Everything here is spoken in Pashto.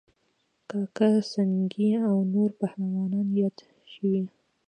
کاکه سنگی او نور پهلوانان یاد شوي